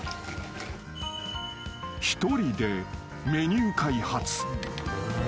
［１人でメニュー開発］